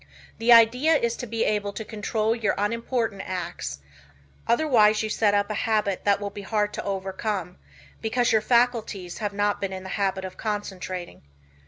The idea is to be able to control your unimportant acts, otherwise you set up a habit that it will be hard to overcome, because your faculties have not been in the habit of concentrating.